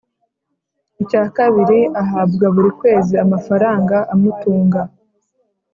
Icya kabiri ahabwa buri kwezi amafaranga amutunga